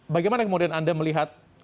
bagaimana kemudian anda melihat